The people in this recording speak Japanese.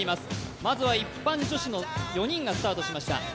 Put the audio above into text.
まずは一般女子の４人がスタートしました。